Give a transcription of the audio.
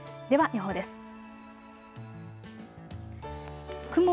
では予報です。